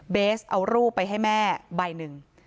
สเอารูปไปให้แม่ใบหนึ่ง